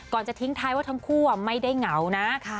จะทิ้งท้ายว่าทั้งคู่ไม่ได้เหงานะ